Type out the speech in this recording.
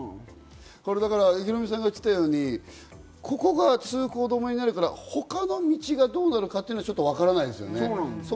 ヒロミさんが言っていたように、ここが通行止めになるから他の道がどうなるかというのはわからないですね。